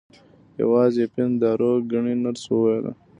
یوازې اپین دارو ګڼي نرس وویل.